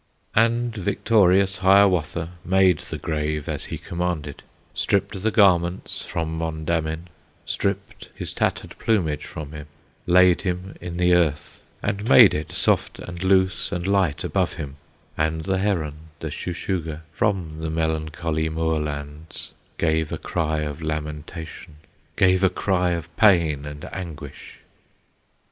And victorious Hiawatha Made the grave as he commanded, Stripped the garments from Mondamin, Stripped his tattered plumage from him, Laid him in the earth, and made it Soft and loose and light above him; And the heron, the Shuh shuh gah, From the melancholy moorlands, Gave a cry of lamentation, Gave a cry of pain and anguish!